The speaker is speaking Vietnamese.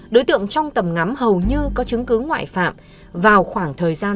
đối tượng trong tầm ngắm hầu như có chứng cứ ngoại phạm vào khoảng thời gian xảy ra vụ án